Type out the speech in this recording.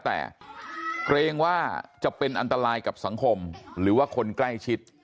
แต่เกรงว่าจะเป็นอันตรายกับสังคมหรือว่าคนใกล้ชิด